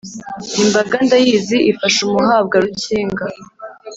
imbaga ndayizi ifasha umuhabwa rukinga.